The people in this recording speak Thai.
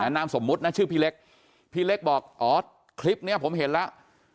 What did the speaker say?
นามสมมุตินะชื่อพี่เล็กพี่เล็กบอกอ๋อคลิปนี้ผมเห็นแล้ว